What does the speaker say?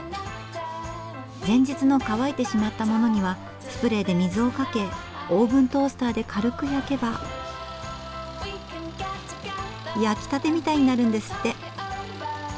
前日の乾いてしまったものにはスプレーで水をかけオーブントースターで軽く焼けば焼きたてみたいになるんですって。